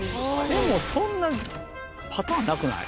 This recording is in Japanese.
でもそんなパターンなくない？